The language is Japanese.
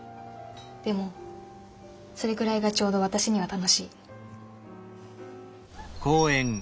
でもそれくらいがちょうど私には楽しい。